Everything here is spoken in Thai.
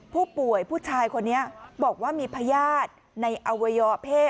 ผู้ป่วยผู้ชายคนนี้บอกว่ามีพยาธิในอวัยวะเพศ